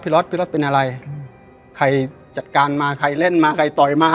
รถพี่รถเป็นอะไรใครจัดการมาใครเล่นมาใครต่อยมา